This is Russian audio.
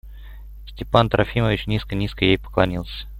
Степан Трофимович низко, низко ей поклонился.